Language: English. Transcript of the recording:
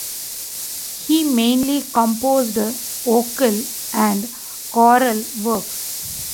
He mainly composed vocal and choral works.